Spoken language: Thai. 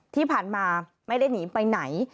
ที่ผ่านมาไม่ได้หนีไปไหน